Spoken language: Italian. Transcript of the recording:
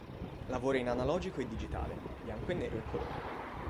Lavora in analogico e digitale, bianco e nero e colore.